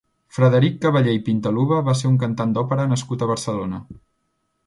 Frederic Caballé i Pintaluba va ser un cantant d'òpera nascut a Barcelona.